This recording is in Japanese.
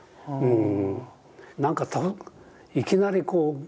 うん。